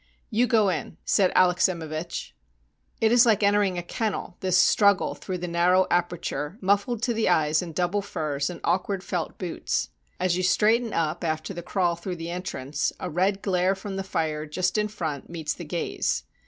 "You go in," said Alexsimevich. It is like entering a kennel, this struggle through the narrow aperture, mufifled to the eyes in double furs and awkward felt boots. As you straighten up after the crawl through the entrance, a red glare from the fire just in front meets the gaze.